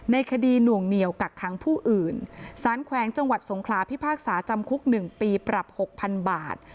ในคดีหน่วงเหนียวกักขังผู้อื่นสารแขวงจังหวัดสงขลาพิพากษาจำคุก๑ปีปรับหกพันบาท